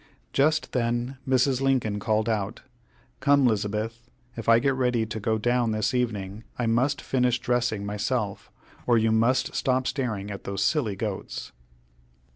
Just then Mrs. Lincoln called out, "Come, Lizabeth; if I get ready to go down this evening I must finish dressing myself, or you must stop staring at those silly goats."